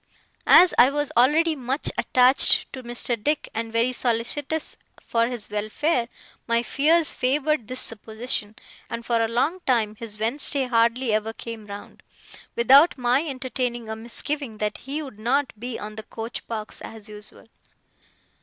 As I was already much attached to Mr. Dick, and very solicitous for his welfare, my fears favoured this supposition; and for a long time his Wednesday hardly ever came round, without my entertaining a misgiving that he would not be on the coach box as usual.